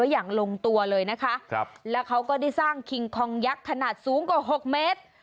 อย่างลงตัวเลยนะคะครับแล้วเขาก็ได้สร้างคิงคองยักษ์ขนาดสูงกว่าหกเมตร